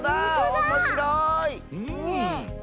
おもしろい！